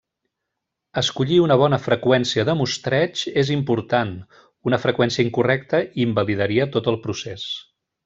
Escollir una bona freqüència de mostreig és important, una freqüència incorrecta invalidaria tot el procés.